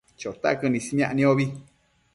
Chotaquën ismiac niombi